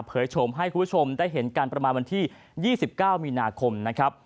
โฉมให้คุณผู้ชมได้เห็นกันประมาณวันที่๒๙มีนาคมนะครับ